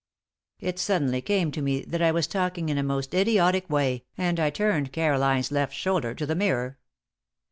It suddenly came to me that I was talking in a most idiotic way, and I turned Caroline's left shoulder to the mirror.